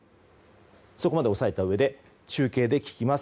そこまで押さえたうえで中継で聞きます。